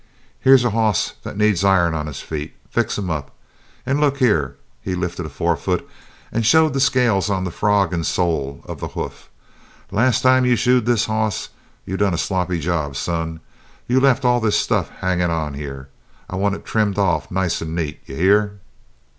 "Here's a hoss that needs iron on his feet. Fix him up. And look here" he lifted a forefoot and showed the scales on the frog and sole of the hoof "last time you shoed this hoss you done a sloppy job, son. You left all this stuff hangin' on here. I want it trimmed off nice an' neat. You hear?"